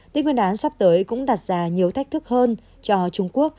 tết nguyên đán sắp tới cũng đặt ra nhiều thách thức hơn cho trung quốc